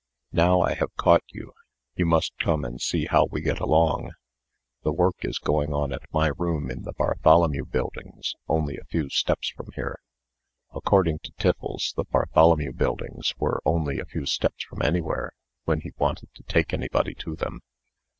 "Now I have caught you, you must come and see how we get along. The work is going on at my room in the Bartholomew Buildings, only a few steps from here." (According to Tiffles, the Bartholomew Buildings were only a few steps from anywhere, when he wanted to take anybody to them.)